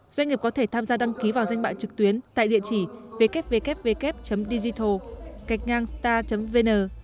doanh nghiệp có thể tham gia đăng ký vào danh bạ trực tuyến tại địa chỉ www digital star vn